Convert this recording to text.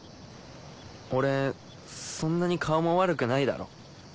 俺そんなに顔も悪くないだろ？